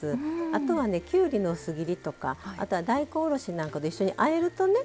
あとはねきゅうりの薄切りとかあとは大根おろしなんかと一緒にあえるとね